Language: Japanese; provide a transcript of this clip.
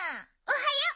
おはよう！